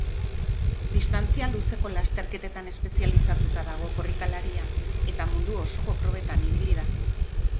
Distantzia luzeko lasterketetan espezializatuta dago korrikalaria, eta mundu osoko probetan ibili da.